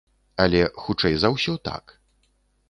Але, хутчэй за ўсё, так.